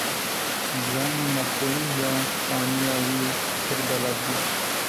Dîzayna navxweyî ya xaniyê wî pir delal bû.